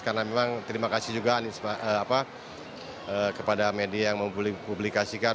karena memang terima kasih juga kepada media yang mempublikasikan